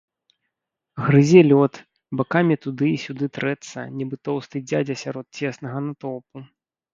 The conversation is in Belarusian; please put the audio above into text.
Грызе лёд, бакамі туды і сюды трэцца, нібы тоўсты дзядзя сярод цеснага натоўпу.